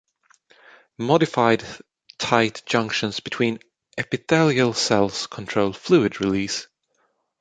Modified tight junctions between epithelial cells control fluid release.